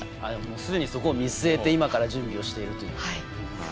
すでにそこを見据えて準備しているという。